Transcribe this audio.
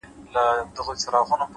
اخلاق د انسان تر شتمنۍ لوړ دي،